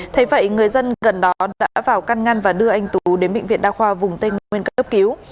thế vậy người dân gần đó đã vào căn ngăn và đưa anh tú đến bệnh viện đa khoa vùng tây nguyên cấp cứu